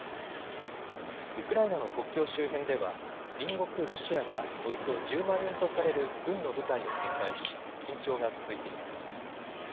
ウクライナの国境周辺では隣国ロシアがおよそ１０万人とされる軍の部隊を展開し、緊張が続いています。